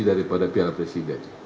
daripada pihak presiden